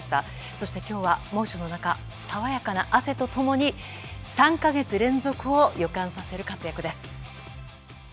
そして今日は猛暑の中爽やかな汗と共に３か月連続を予感させる活躍です。